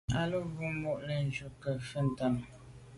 A lo be num mo’ le’njù à nke mfe ntàne.